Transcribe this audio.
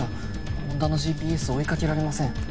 恩田のＧＰＳ追いかけられません